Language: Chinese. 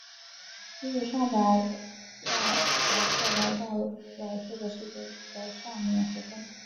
伊丽莎白带伯克来到了这个世界的上面和灯塔。